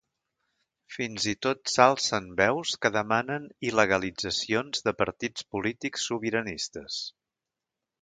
Fins i tot s’alcen veus que demanen il·legalitzacions de partits polítics sobiranistes.